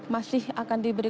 masih akan diberi